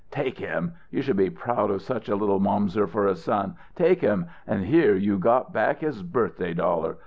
"Take him! You should be proud of such a little Momser for a son! Take him and here you got back his birthday dollar.